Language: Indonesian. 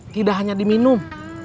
tidak hanya diminum